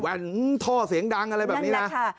ท่อเสียงดังอะไรแบบนี้นะ